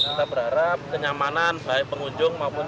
kita berharap kenyamanan baik pengunjung maupun